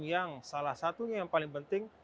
yang salah satunya yang paling penting